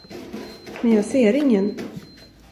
Men jag ser ingen.